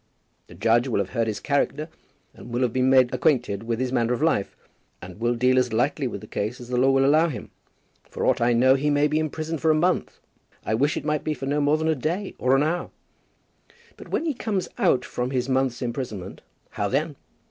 The judge will have heard his character, and will have been made acquainted with his manner of life, and will deal as lightly with the case as the law will allow him. For aught I know he may be imprisoned for a month. I wish it might be for no more than a day, or an hour. But when he comes out from his month's imprisonment, how then?